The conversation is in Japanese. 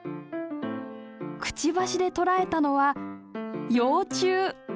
くちばしで捕らえたのは幼虫。